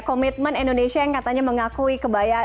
komitmen indonesia yang katanya mengakui kebaya